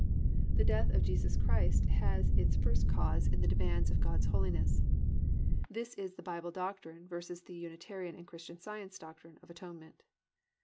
The death of Jesus Christ has its first cause in the demands of God's holiness. This is the Bible doctrine versus the Unitarian and Christian Science doctrine of atonement.